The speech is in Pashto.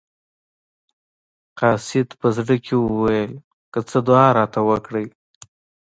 قاصد په زړه کې وویل که څه دعا راته وکړي.